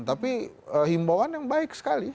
tapi himbauan yang baik sekali